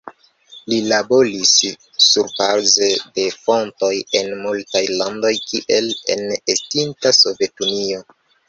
Li laboris surbaze de fontoj en multaj landoj, kiel en estinta Sovetunio.